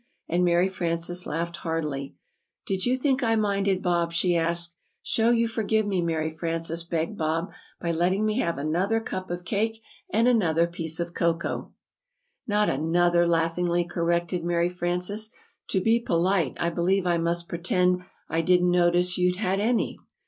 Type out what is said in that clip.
And Mary Frances laughed heartily. "Did you think I minded Bob?" she asked. "Show you forgive me, Mary Frances," begged Bob, "by letting me have another cup of cake, and another piece of cocoa." "Not another," laughingly corrected Mary Frances. "To be polite, I believe I must pretend I didn't notice you'd had any."